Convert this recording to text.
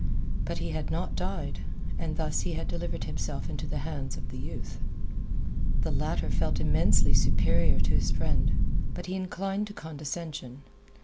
But he had not died, and thus he had delivered himself into the hands of the youth. The latter felt immensely superior to his friend, but he inclined to condescension.